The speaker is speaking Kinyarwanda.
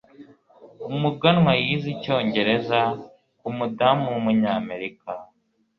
umuganwa yize icyongereza kumudamu wumunyamerika